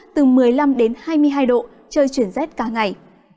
từ một mươi năm đến hai mươi hai độ trời chuyển rét cả ngày